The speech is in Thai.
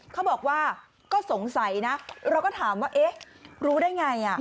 เขาบอกว่าก็สงสัยนะเราก็ถามว่าเอ๊ะรู้ได้ไง